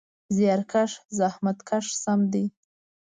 زیارکښ: زحمت کښ سم دی.